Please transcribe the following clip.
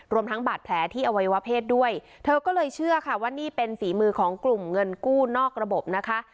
รวมทั้งบาดแผลที่อวัยวะเพศด้วยเธอก็เลยเชื่อค่ะว่านี่เป็นฝีมือของกลุ่มเงินกู้นอกระบบนะคะ